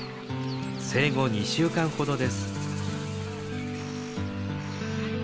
生後２週間ほどです。